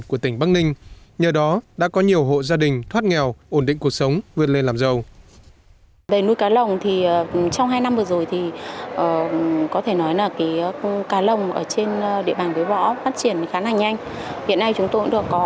của tỉnh bắc ninh nhờ đó đã có nhiều hộ gia đình thoát nghèo ổn định cuộc sống vươn lên làm giàu